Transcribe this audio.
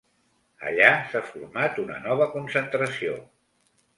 Allà s’ha format una nova concentració.